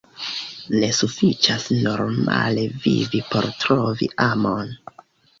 Ne sufiĉas normale vivi por trovi amon.